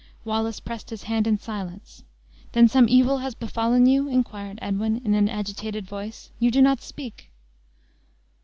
Wallace pressed his hand in silence. "Then some evil has befallen you?" inquired Edwin, in an agitated voice; "you do not speak!"